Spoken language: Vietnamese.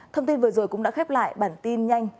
thông tin vừa rồi cũng đã khép lại bản tin nhanh